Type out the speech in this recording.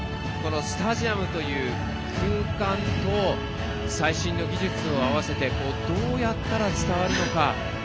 このスタジアムという空間と最新の技術を合わせてどうやったら伝わるのか